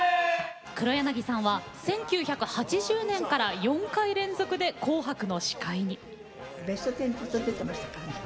黒柳さんは１９８０年から４回連続で「紅白」の司会に。